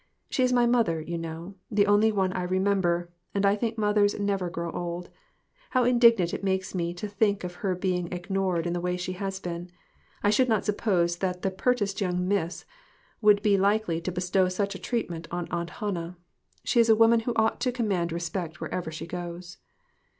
She is my mother, you know; the only one I remember, and I think mothers never grow old. How indignant it makes me tq think of her being ignored in the way she has been. I should not suppose that the pertest young miss would be 48 TOTAL DEPRAVITY. likely to bestow such treatment on Aunt Han nah. She is a woman who ought to command respect wherever she goes."